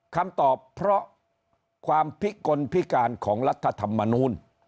คำตอบเพราะความพิกลพิการของรัฐธรรมนูล